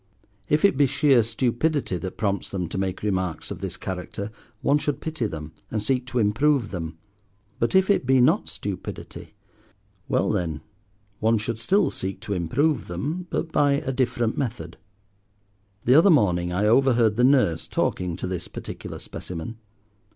If it be sheer stupidity that prompts them to make remarks of this character, one should pity them, and seek to improve them. But if it be not stupidity? well then, one should still seek to improve them, but by a different method. The other morning I overheard the nurse talking to this particular specimen.